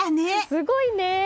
すごいね！